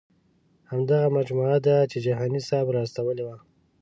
همدغه مجموعه ده چې جهاني صاحب را استولې وه.